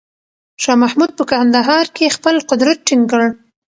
شاه محمود په کندهار کې خپل قدرت ټینګ کړ.